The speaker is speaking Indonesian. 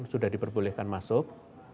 sudah diperbolehkan masuk